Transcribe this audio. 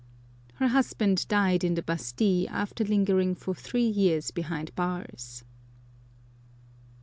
Her husband died in the Bastille after lingering for three years behind bars.